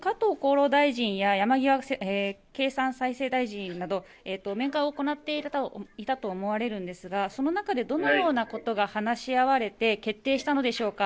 午前中、加藤厚労大臣や山際経済再生大臣など面会を行っていたと思われるんですがその中で、どのようなことが話し合われて決定したのでしょうか。